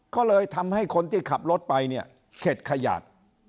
ก็เลยทำให้คนที่ขับรถไปเนี่ยเข็ดขยาด